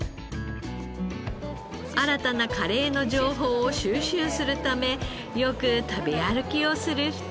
新たなカレーの情報を収集するためよく食べ歩きをする２人。